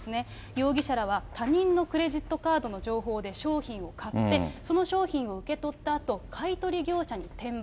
容疑者らは、他人のクレジットカードの情報で商品を買って、その商品を受け取ったあと、買い取り業者に転売。